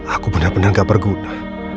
aku benar benar gak berguna